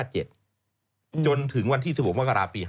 จนถึงวันที่๑๖มกราปี๕๙